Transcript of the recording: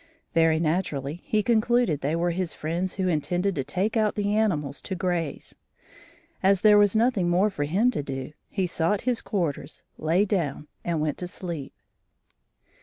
Very naturally he concluded they were his friends who intended to take out the animals to graze. As there was nothing more for him to do, he sought his quarters, lay down and went to sleep.